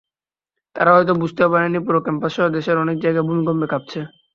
তারা হয়তো বুঝতেও পারেনি, পুরো ক্যাম্পাসসহ দেশের অনেক জায়গা ভূমিকম্পে কাঁপছে।